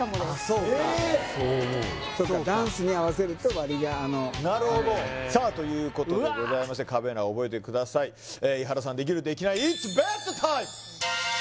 そうかそう思うそっかダンスに合わせると割りがあのなるほどさあということでございましてカメラ覚えてください伊原さんできるできないさあ